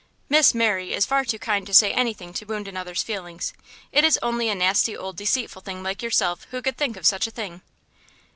"Miss Mary is far too kind to say anything to wound another's feelings. It is only a nasty old deceitful thing like yourself who could think of such a thing."